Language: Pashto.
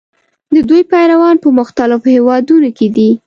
د دوی پیروان په مختلفو هېوادونو کې دي.